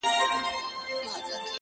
سم خراب سوی دی پر ميکدې نه راځي-